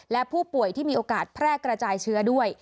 และผู้ป่วยที่มีโอกาสแพร่กระจายเชื้อด้วย